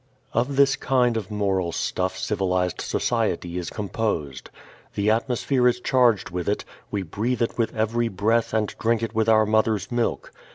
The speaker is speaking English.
Of this kind of moral stuff civilized society is composed. The atmosphere is charged with it; we breathe it with every breath and drink it with our mother's milk.